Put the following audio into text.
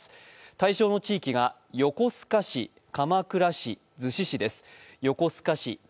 対象の地域が横須賀市、鎌倉市、逗子市です。